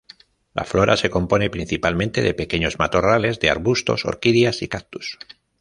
La flora se compone principalmente de pequeños matorrales de arbustos, orquídeas y cactus.